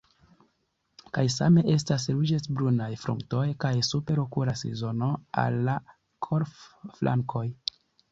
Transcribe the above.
Kaj same estas ruĝecbrunaj frunto kaj superokula strizono al la kolflankoj.